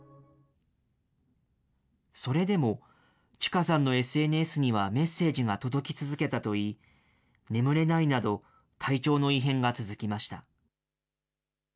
それでも、ちかさんのＳＮＳにはメッセージが届き続けたといい、眠れないなど、体調の異変が続きました。